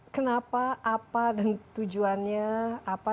kenapa apa dan tujuannya apa